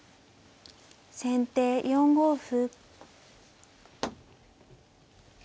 先手４五歩。